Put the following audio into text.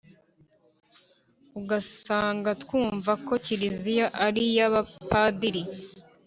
ugasanga twumva ko kiliziya ari iy’ abapadiri